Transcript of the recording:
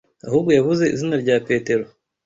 ahubwo yavuze izina rya Petero.